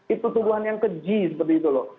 itu tuduhan yang keji seperti itu loh